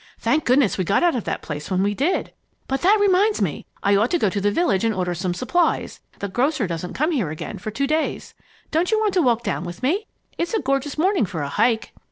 Thank goodness we got out of that place when we did! But that reminds me, I ought to go to the village and order some supplies. The grocer doesn't come here again for two days. Don't you want to walk down with me? It's a gorgeous morning for a 'hike'!"